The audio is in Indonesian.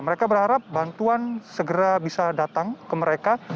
mereka berharap bantuan segera bisa datang ke mereka